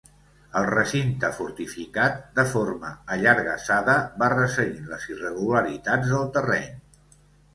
El recinte fortificat, de forma allargassada, va resseguint les irregularitats del terreny.